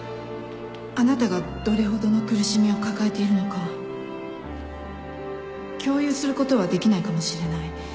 あなたがどれほどの苦しみを抱えているのか共有することはできないかもしれない